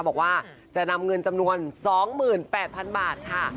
บอกว่าจะนำเงินจำนวน๒๘๐๐๐บาทค่ะ